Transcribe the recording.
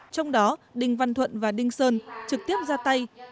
trong đó đình văn thuận và đinh sơn trực tiếp ra tay